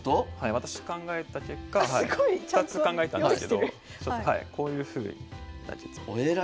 私考えた結果２つ考えたんですけどこういうふうに。